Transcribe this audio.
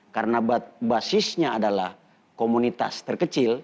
karena basisnya adalah komunitas terkecil